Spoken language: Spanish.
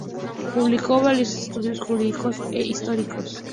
Publicó valiosos estudios jurídicos e históricos.